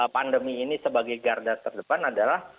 pandemi ini sebagai garda terdepan adalah